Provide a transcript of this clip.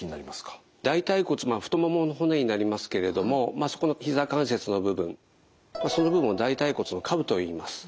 大腿骨太ももの骨になりますけれどもそこのひざ関節の部分その部分を大腿骨の顆部といいます。